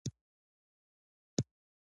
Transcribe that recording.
د نورستان په دو اب کې د لیتیم نښې شته.